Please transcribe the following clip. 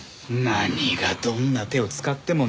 何が「どんな手を使っても」